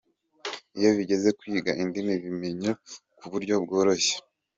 Iyo bigeze ku kwiga indimi mbimenya ku buryo bworoshye.